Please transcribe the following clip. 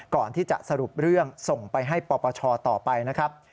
ก่อนที่จะสรุปเรื่องส่งไปให้ปปชต่อไปนะครับ